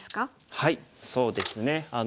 はいそうですね。